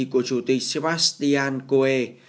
của chủ tịch sebastian coel